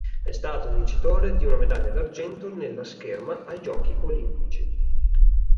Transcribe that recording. È stato vincitore di una medaglia d'argento nella scherma ai giochi olimpici.